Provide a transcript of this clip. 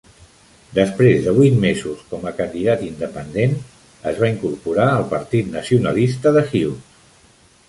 Després de vuit mesos com a candidat independent, es va incorporar al Partit Nacionalista de Hughes.